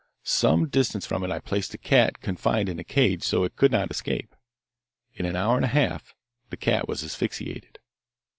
Some distance from it I placed a cat confined in a cage so it could not escape. In an hour and a half the cat was asphyxiated."